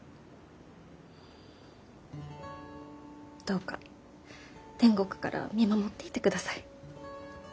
どうか天国から見守っていてください。